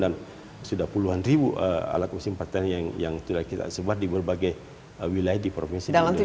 dan sudah puluhan ribu alat musim pertanian yang sudah kita sebar di berbagai wilayah di provinsi indonesia